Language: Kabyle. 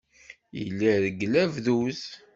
Yella ireggel abduz.